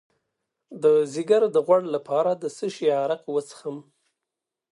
د ځیګر د غوړ لپاره د څه شي عرق وڅښم؟